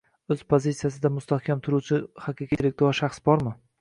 o‘z pozitsiyasida mustahkam turuvchi haqiqiy intellektual shaxs bormi?